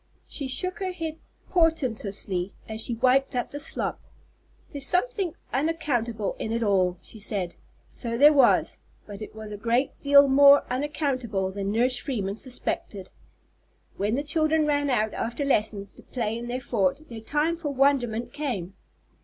She shook her head portentously as she wiped up the slop. "There's something _on_accountable in it all," she said. So there was, but it was a great deal more unaccountable than Nurse Freeman suspected. When the children ran out, after lessons, to play in their fort, their time for wonderment came.